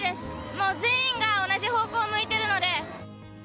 もう全員が同じ方向を向いているので。